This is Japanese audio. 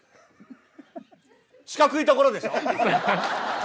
四角いところでしょ？